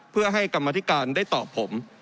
เพื่อให้กรรมธิการได้ตอบผม